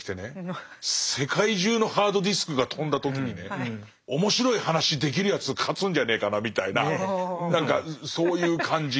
世界中のハードディスクがとんだ時にね面白い話できるやつ勝つんじゃねえかなみたいな何かそういう感じ。